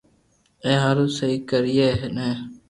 اي ھارو سھي ڪوئي ني